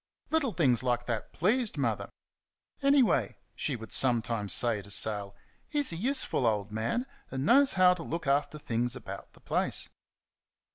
Little things like that pleased Mother. "Anyway," she would sometimes say to Sal, "he's a useful old man, and knows how to look after things about the place."